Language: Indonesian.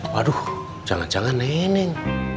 waduh jangan jangan nenek